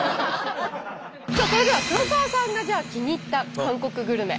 それでは黒沢さんが気に入った韓国グルメ。